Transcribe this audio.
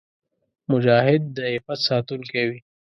مجاهد د عفت ساتونکی وي.